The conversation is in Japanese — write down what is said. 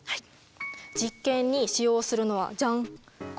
実験に使用するのはジャン。